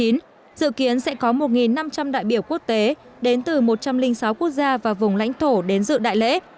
dự kiến sẽ có một năm trăm linh đại biểu quốc tế đến từ một trăm linh sáu quốc gia và vùng lãnh thổ đến dự đại lễ